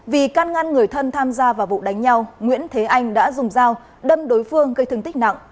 vì can ngăn người thân tham gia vào vụ đánh nhau nguyễn thế anh đã dùng dao đâm đối phương gây thương tích nặng